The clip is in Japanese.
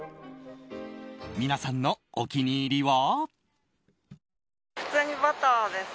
皆さんのお気に入りは？